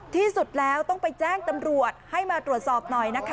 ที่สุดแล้วต้องไปแจ้งตำรวจให้มาตรวจสอบหน่อยนะคะ